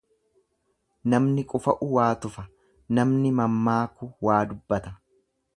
Namni qufa'u waa tufa, namni mammaaku waa dubbata.